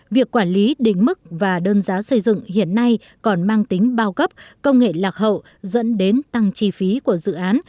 việc quản lý đỉnh mức và đơn giá xây dựng hiện nay còn mang tính bao cấp công nghệ lạc hậu dẫn đến tăng chi phí của dự án